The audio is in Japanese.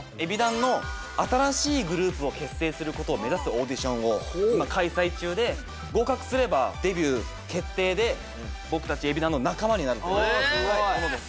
ＥＢｉＤＡＮの新しいグループを結成することを目指すオーディションを今開催中で合格すればデビュー決定で僕たちＥＢｉＤＡＮの仲間になるというものです